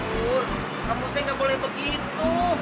pur kamu tidak boleh begitu